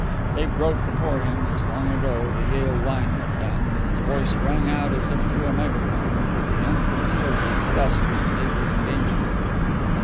They broke before him as, long ago, the Yale line had done, and his voice rang out as if through a megaphone, to the unconcealed disgust of the neighboring gamesters.